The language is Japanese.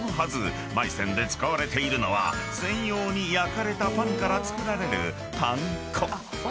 まい泉で使われているのは専用に焼かれたパンから作られるパン粉］